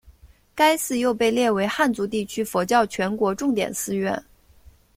该寺又被列为汉族地区佛教全国重点寺院。